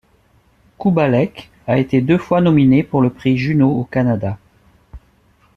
Kubálek a été deux fois nominé pour le Prix Juno au Canada.